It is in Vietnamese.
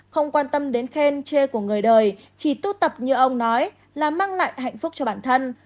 không quan tâm đến khen chê của người đời chỉ tụ tập như ông nói là mang lại hạnh phúc cho bản thân